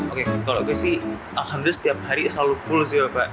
oke kalau gue sih alhamdulillah setiap hari selalu full sih bapak